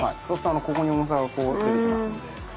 ここに重さが出てきますので。